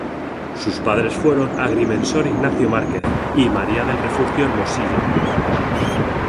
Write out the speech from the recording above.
Sus padres fueron Agrimensor Ignacio Márquez y María del Refugio Hermosillo.